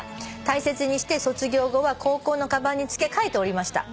「大切にして卒業後は高校のかばんにつけ替えておりました」